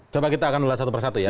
coba kita akan ulas satu persatu ya